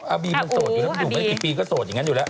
อาบีมันโสดอยู่แล้วมันอยู่ไม่ได้กี่ปีก็โสดอย่างนั้นอยู่แล้ว